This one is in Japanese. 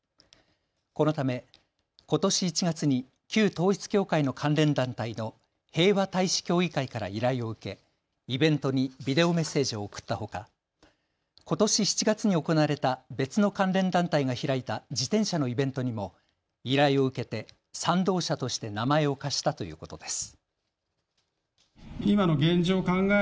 このため、ことし１月に旧統一教会の関連団体の平和大使協議会から依頼を受けイベントにビデオメッセージを送ったほかことし７月に行われた別の関連団体が開いた自転車のイベントにも依頼を受けて賛同者として名前を貸したということです。